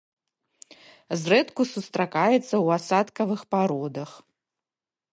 Зрэдку сустракаецца ў асадкавых пародах.